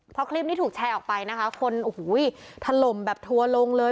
พอคลิปนี้ถูกแชร์ออกไปนะคะคนโอ้โหถล่มแบบทัวร์ลงเลย